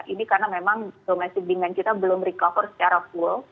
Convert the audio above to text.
ini karena memang domestic demand kita belum recover secara full